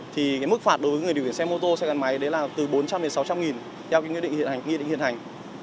thì mức phạt đối với người điều khiển xe mô tô xe gắn máy là từ bốn trăm linh đến sáu trăm linh nghìn theo kinh nghiệm hiện hành